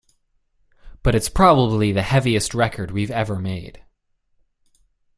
But it's probably the heaviest record we've ever made...